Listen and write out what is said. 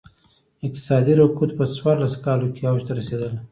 اقتصادي رکود په څوارلس کالو کې اوج ته رسېدلی.